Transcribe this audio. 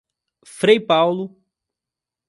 Frei Paulo